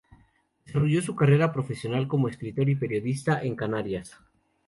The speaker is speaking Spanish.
Desarrolló su carrera profesional como escritor y periodista en Canarias.